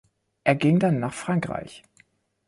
Er ging dann nach Frankreich.